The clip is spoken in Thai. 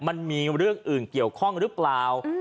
มันมีเรื่องอื่นเกี่ยวข้องหรือเปล่า